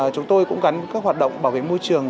chúng tôi cũng gắn các hoạt động bảo vệ môi trường